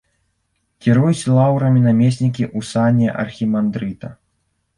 Кіруюць лаўрамі намеснікі ў сане архімандрыта.